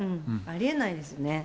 ありえないですね。